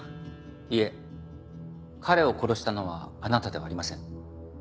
いえ彼を殺したのはあなたではありません。